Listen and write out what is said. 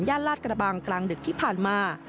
ลาดกระบังกลางดึกที่ผ่านมา